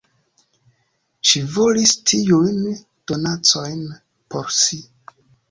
Ŝi volis tiujn donacojn por si.